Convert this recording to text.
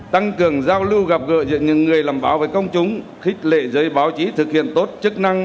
tăng cường giao lưu gặp gỡ giữa những người làm báo với công chúng khích lệ giới báo chí thực hiện tốt chức năng